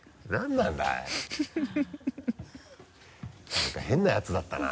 なんか変なやつだったな。